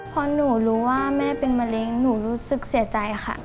พอหนูรู้ว่าแม่เป็นมะเร็งหนูรู้สึกเสียใจค่ะ